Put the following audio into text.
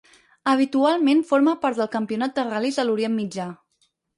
Habitualment forma part del Campionat de Ral·lis de l'Orient Mitjà.